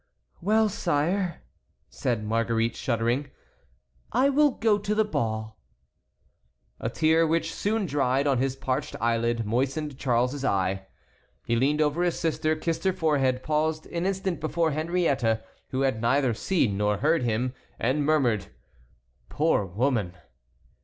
"Well, sire," said Marguerite, shuddering, "I will go to the ball." A tear, which soon dried on his parched eyelid, moistened Charles's eye. He leaned over his sister, kissed her forehead, paused an instant before Henriette, who had neither seen nor heard him, and murmured: "Poor woman!"